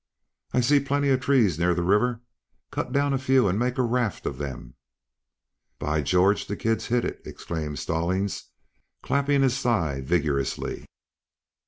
"I see plenty of trees near the river. Cut down a few and make a raft of them." "By George, the kid's hit it!" exclaimed Stallings, clapping his thigh vigorously.